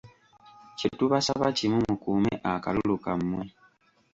Kye tubasaba kimu mukuume akalulu kammwe.